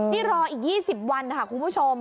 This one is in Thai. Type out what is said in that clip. นี่รออีก๒๐วันนะคะคุณผู้ชม